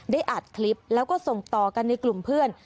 อัดคลิปแล้วก็ส่งต่อกันในกลุ่มเพื่อน